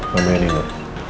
mau main ini bu